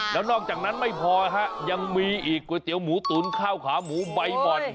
แล้วนอกจากนั้นไม่พอฮะยังมีอีกก๋วยเตี๋ยหมูตุ๋นข้าวขาหมูใบบ่อน